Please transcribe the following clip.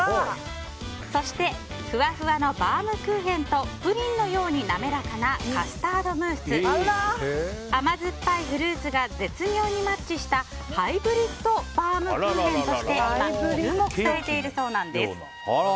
そして、ふわふわのバウムクーヘンとプリンのように滑らかなカスタードムース甘酸っぱいフルーツが絶妙にマッチしたハイブリッドバウムクーヘンとして今、注目されているそうなんです。